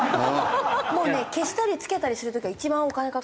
もうね消したりつけたりする時が一番お金かかるので。